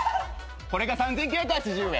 これが３，９８０円。